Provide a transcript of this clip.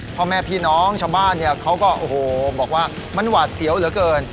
พ่อแม่พี่น้องชาวบ้านเนี่ยเขาก็โอ้โหบอกว่ามันหวาดเสียวเหลือเกิน